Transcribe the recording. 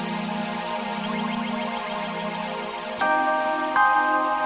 ya allah ya allah